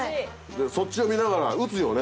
そっちを見ながら撃つよね